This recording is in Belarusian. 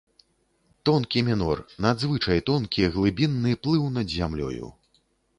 Тонкі мінор, надзвычай тонкі, глыбінны, плыў над зямлёю.